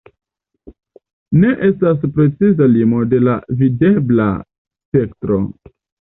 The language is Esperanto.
Ne estas preciza limo de la videbla spektro.